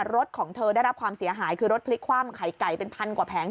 รถของเธอได้รับความเสียหายคือรถพลิกคว่ำไข่ไก่เป็นพันกว่าแผง